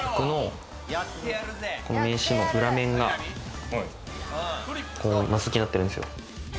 この名刺の裏面が、謎解きになってるんですよ。